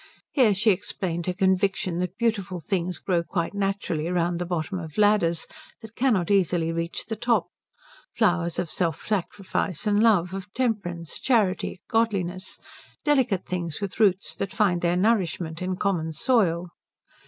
(Here she explained her conviction that beautiful things grow quite naturally round the bottom of ladders that cannot easily reach the top; flowers of self sacrifice and love, of temperance, charity, godliness delicate things, with roots that find their nourishment in common soil.